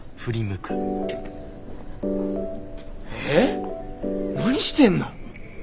えっ何してんの！？